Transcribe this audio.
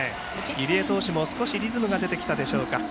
入江投手も少しリズムが出てきたでしょうか。